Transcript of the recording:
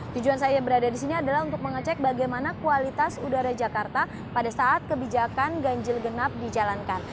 tujuan saya berada di sini adalah untuk mengecek bagaimana kualitas udara jakarta pada saat kebijakan ganjil genap dijalankan